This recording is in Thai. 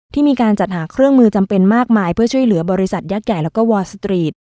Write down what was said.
ที่มีการจัดหาเครื่องมือจำเป็นมากมายเพื่อช่วยเหลือบริษัทยักษ์ใหญ่แล้วก็วอร์สตรีท